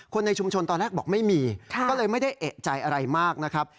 ในชุมชนตอนแรกบอกไม่มีก็เลยไม่ได้เอกใจอะไรมากนะครับ